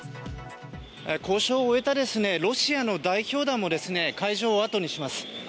交渉を終えたロシアの代表団も会場を後にします。